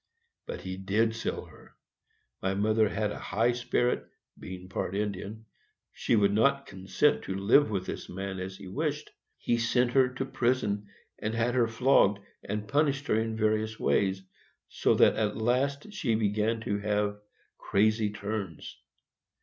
But he did sell her. My mother had a high spirit, being part Indian. She would not consent to live with this man, as he wished; and he sent her to prison, and had her flogged, and punished her in various ways, so that at last she began to have crazy turns.